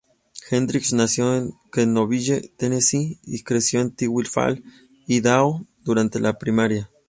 Hendricks nació en Knoxville, Tennessee y creció en Twin Falls, Idaho, durante la primaria.